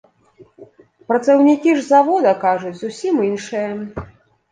Працаўнікі ж завода кажуць зусім іншае.